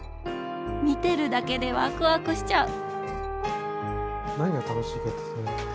見てるだけでワクワクしちゃう！